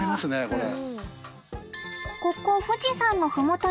これ。